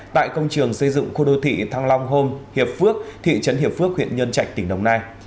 tại công trường xây dựng khu đô thị thăng long hôm hiệp phước thị trấn hiệp phước huyện nhân trạch tỉnh đồng nai